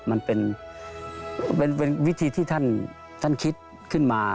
มันเป็นวิธีที่ท่านคิดขึ้นมา